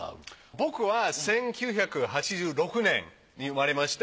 僕は１９８６年に生まれまして